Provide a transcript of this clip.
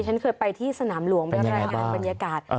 ฉันเคยไปที่สนามหลวงไปรายงานบรรยากาศ